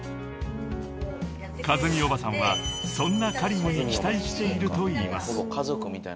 ［かずみおばさんはそんなＫａｒｉｍに期待していると言います］